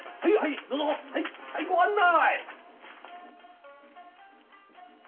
はいご案内！